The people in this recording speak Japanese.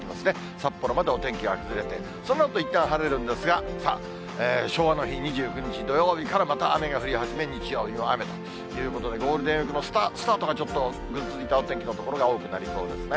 札幌までお天気が崩れて、そのあといったん晴れるんですが、さあ、昭和の日２９日土曜日からまた雨が降り始め、日曜日も雨ということで、ゴールデンウィークのスタートが、ちょっとぐずついたお天気の所が多くなりそうですね。